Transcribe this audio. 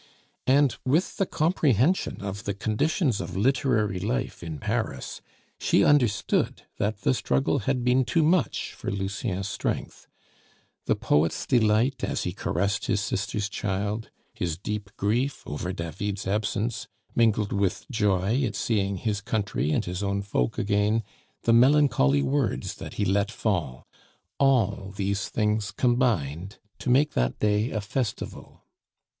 And with the comprehension of the conditions of literary life in Paris, she understood that the struggle had been too much for Lucien's strength. The poet's delight as he caressed his sister's child, his deep grief over David's absence, mingled with joy at seeing his country and his own folk again, the melancholy words that he let fall, all these things combined to make that day a festival.